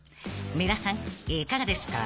［皆さんいかがですか？］